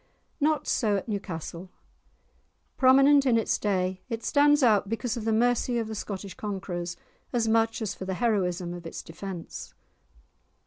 Not so at Newcastle. Prominent in its day, it stands out because of the mercy of the Scottish conquerors as much as for the heroism of its defence.